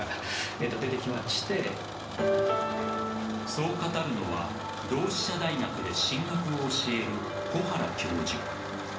そう語るのは同志社大学で神学を教える小原教授。